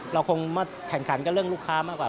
เราคงมาแข่งขันกับเรื่องลูกค้ามากกว่า